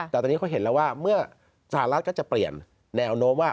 แต่ตอนนี้เขาเห็นแล้วว่าเมื่อสหรัฐก็จะเปลี่ยนแนวโน้มว่า